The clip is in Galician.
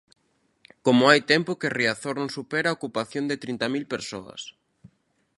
Como hai tempo que Riazor non supera a ocupación de trinta mil persoas.